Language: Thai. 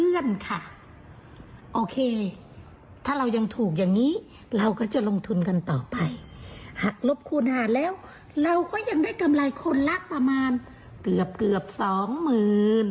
โอเคถ้าเรายังถูกอย่างนี้เราก็จะลงทุนกันต่อไปหากลบคูณหาแล้วเราก็ยังได้กำไรคนละประมาณเกือบเกือบสองหมื่น